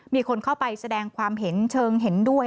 มีคนเข้าไปแสดงความเห็นเชิงเห็นด้วย